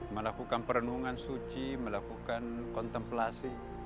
melakukan perenungan suci melakukan kontemplasi